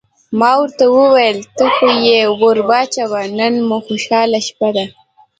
ما ورته وویل: ته خو یې ور واچوه، نن مو خوشحاله شپه ده.